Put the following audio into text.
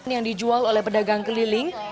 yang dijual oleh pedagang keliling